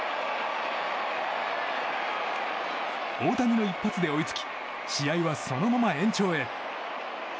大谷の一発で追いつき試合はそのまま延長へ。